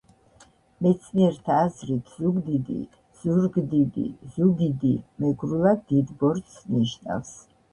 მეცნიერთა აზრით ზუგდიდი, ზურგდიდი, ზუგიდი – მეგრულად დიდ ბორცვს ნიშნავს.